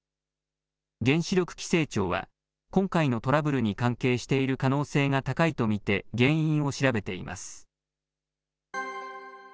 原子力規制庁は、今回のトラブルに関係している可能性が高いと見て、原因を調べています。